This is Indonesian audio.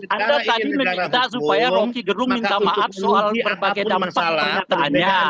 anda tadi meminta supaya rocky gerung minta maaf soal berbagai dampak kenyataannya